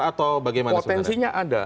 atau bagaimana potensinya ada